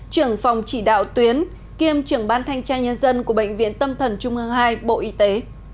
trưởng phòng chỉ đạo tuyến kiêm trưởng ban thanh tra nhân dân của bệnh viện tâm thần trung ương hai bộ y tế